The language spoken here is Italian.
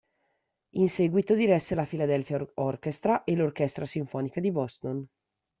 In seguito, diresse la Philadelphia Orchestra e l'Orchestra Sinfonica di Boston.